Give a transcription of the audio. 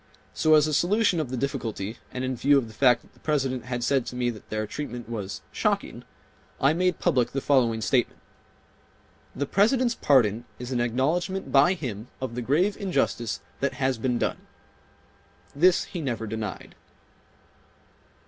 So as a solution of the difficulty and in view of the fact that the President had said to me that their treatment was "shocking" I made public the following statement: "The President's pardon is an acknowledgment by him of the grave injustice that has been done:" This he never denied.